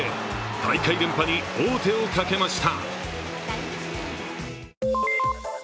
大会連覇に王手をかけました。